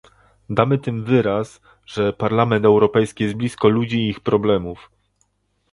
Damy tym wyraz, że Parlament Europejski jest blisko ludzi i ich problemów